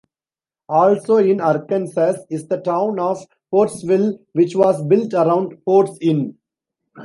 Also in Arkansas is the town of Pottsville, which was built around Pott's Inn.